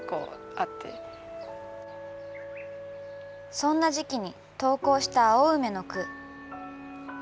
そんな時期に投稿した青梅の句。